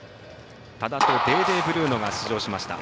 多田とデーデーブルーノが出場しました。